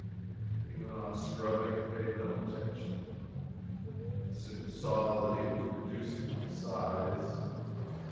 He went on scrubbing, and paid no attention. I soon saw that he was reducing my size.